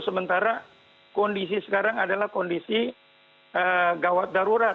sementara kondisi sekarang adalah kondisi gawat darurat